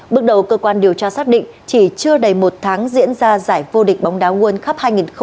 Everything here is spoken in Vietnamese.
bước đầu cơ quan điều tra xác định chỉ chưa đầy một tháng diễn ra giải vô địch bóng đá nguồn khắp hai nghìn hai mươi hai